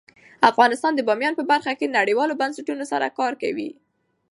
افغانستان د بامیان په برخه کې نړیوالو بنسټونو سره کار کوي.